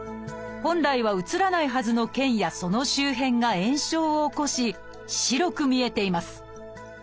本来は写らないはずの腱やその周辺が炎症を起こし白く見えています。